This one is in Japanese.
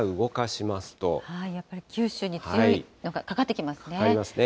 やっぱり九州に強いのがかかかかりますね。